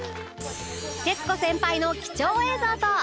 徹子先輩の貴重映像と